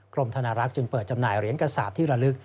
กรมธนรักจึงเปิดจำหน่ายเหรียญกระสาปที่ระลึก